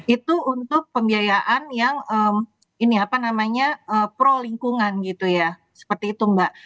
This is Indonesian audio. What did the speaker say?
itu untuk pembiayaan yang ini apa namanya pro lingkungan gitu ya seperti itu mbak